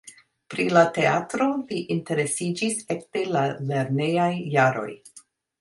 Pri la teatro li interesiĝis ekde la lernejaj jaroj.